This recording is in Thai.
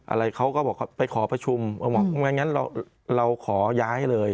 อะไรเขาก็บอกเขาไปขอประชุมอืมไม่งั้นเราเราขอย้ายเลย